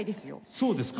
そうですか。